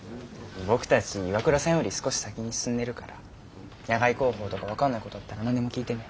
僕たち岩倉さんより少し先に進んでるから野外航法とか分かんないことあったら何でも聞いてね。